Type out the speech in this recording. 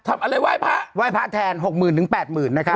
ทำอะไรไหว้พระไหว้พระแทนหกหมื่นถึงแปดหมื่นนะครับ